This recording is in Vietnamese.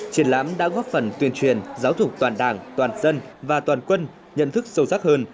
triển lãm đã góp phần tuyên truyền giáo dục toàn đảng toàn dân và toàn quân nhận thức sâu sắc hơn